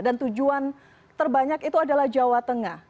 dan tujuan terbanyak itu adalah jawa tengah